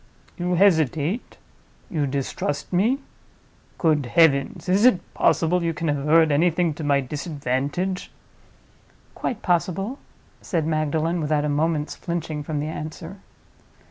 You hesitate? You distrust me? Good heavens! is it possible you can have heard anything to my disadvantage?" "Quite possible," said Magdalen, without a moment's flinching from the answer.